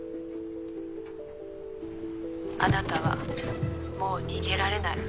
あなたはもう逃げられない。